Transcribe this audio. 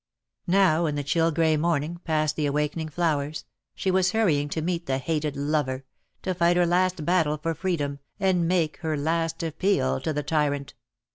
Now in the chill grey morning, past the awaken ing flowers, she was hurrying to meet the hated lover, to fight her last battle for freedom, and make her last appeal to the tyrant.